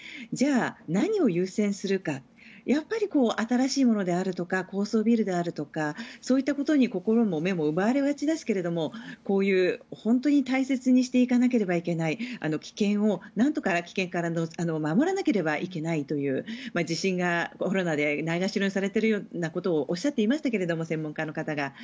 じゃあ何を優先するかやっぱり新しいものであるとか高層ビルであるとかそういったことに心も目も奪われがちですがこういう本当に大切にしていかなければいけないなんとか危険から守らなければいけないという地震がコロナでないがしろにされているようなことをおっしゃっていましたけれど専門家の方が。